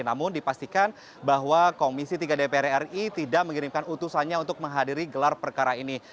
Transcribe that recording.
namun dipastikan bahwa komisi tiga dpr ri tidak mengirimkan utusannya untuk menghadiri gelar perkara ini